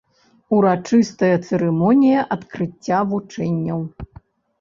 Урачыстая цырымонія адкрыцця вучэнняў.